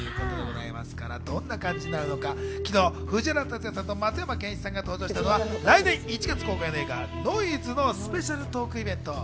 昨日、藤原竜也さんと松山ケンイチさんが登場したのは来年１月公開の映画『ノイズ』のスペシャルトークイベント。